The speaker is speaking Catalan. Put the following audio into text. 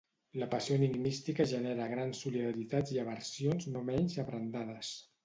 La passió enigmística genera grans solidaritats i aversions no menys abrandades.